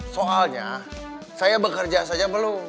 soalnya saya bekerja saja belum